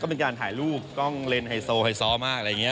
เป็นการถ่ายรูปกล้องเล่นไฮโซไฮซ้อมากอะไรอย่างนี้